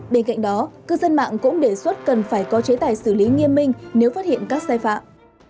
bên cạnh đó cư dân mạng cũng đề xuất cần phải có chế tài xử lý nghiêm minh nếu phát hiện các sai phạm